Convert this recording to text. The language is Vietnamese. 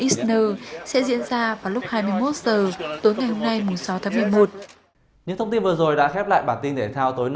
isner sẽ diễn ra trong thời gian tiếp theo